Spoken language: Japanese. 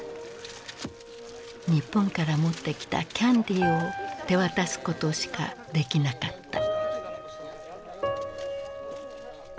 日本から持ってきたキャンディーを手渡すことしかできなかった。